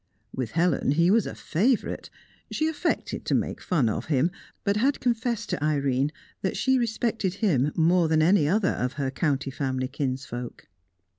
With Helen he was a favourite; she affected to make fun of him, but had confessed to Irene that she respected him more than any other of her county family kinsfolk.